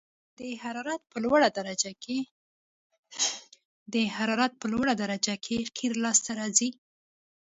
د حرارت په لوړه درجه کې قیر لاسته راځي